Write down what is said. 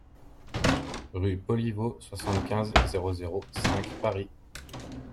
Rue Poliveau, soixante-quinze, zéro zéro cinq Paris